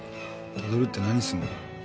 たどるって何すんの？